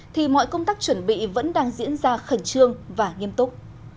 thì mọi công tác chuẩn bị vẫn đang diễn ra khẩn trương và nghiêm túc